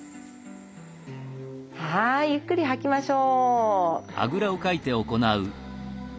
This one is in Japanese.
はいゆっくり吐きましょう。